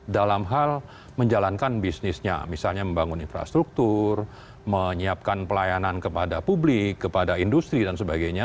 dalam hal menjalankan bisnisnya misalnya membangun infrastruktur menyiapkan pelayanan kepada publik kepada industri dan sebagainya